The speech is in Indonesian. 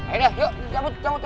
ayo yuk cabut cabut cabut